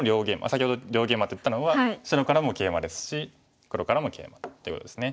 先ほど両ゲイマと言ったのは白からもケイマですし黒からもケイマということですね。